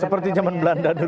seperti zaman belanda dulu